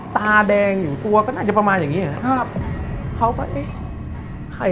ตาแดงอยู่ตัวน่าจะประมาณประตา